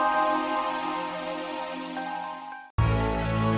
eh oh ya